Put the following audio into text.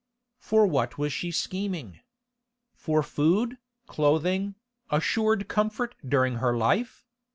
For what was she scheming? For food, clothing, assured comfort during her life?